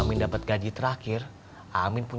ih amerika juga dangang